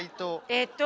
えっと。